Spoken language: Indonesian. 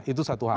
itu satu hal